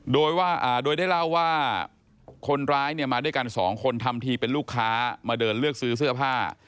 โดยได้เล่าว่าคนร้ายเนี่ยมาด้วยกันสองคนทำทีเป็นลูกค้ามาเดินเลือกซื้อเสื้อผ้า